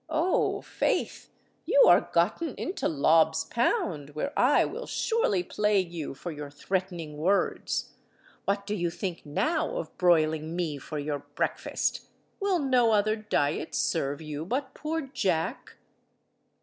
Oh, faith, you are gotten into Lob's Pound, where I will surely plague you for your threatening words. What do you think now of broiling me for your breakfast? Will no other diet serve you but poor Jack?"